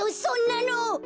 そんなの！